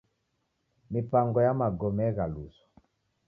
Mipango ya magome eghaluswa.